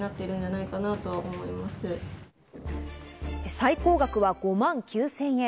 最高額は５万９０００円。